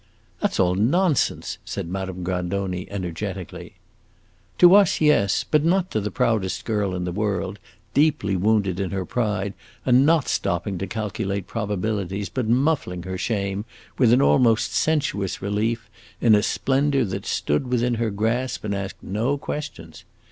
"That 's all nonsense!" said Madame Grandoni, energetically. "To us, yes; but not to the proudest girl in the world, deeply wounded in her pride, and not stopping to calculate probabilities, but muffling her shame, with an almost sensuous relief, in a splendor that stood within her grasp and asked no questions.